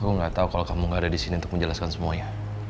aku gak tau kalau kamu gak ada disini untuk menjelaskan semuanya